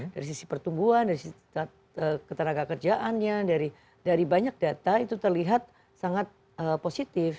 dari sisi pertumbuhan dari keteraga kerjaannya dari banyak data itu terlihat sangat positif